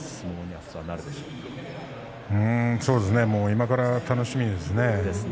今から楽しみですね。